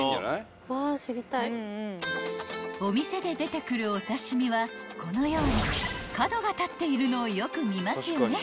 ［お店で出てくるお刺し身はこのように角が立っているのをよく見ますよね］